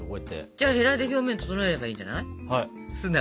じゃあヘラで表面整えればいいんじゃない？